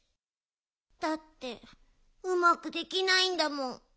だってうまくできないんだもん。